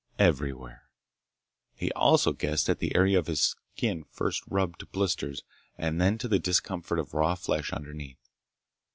Everywhere. He also guessed at the area of his skin first rubbed to blisters and then to the discomfort of raw flesh underneath.